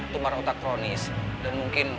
tumar otak kronis dan mungkin